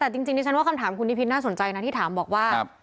แต่จริงคุณนิพิษน่าสนใจนะที่ถามบอกว่า